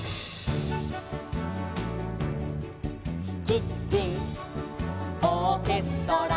「キッチンオーケストラ」